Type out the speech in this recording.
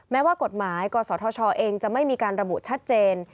แม้ว่ากฎหมายกศธชเองจะไม่มีการระบุชัดเจน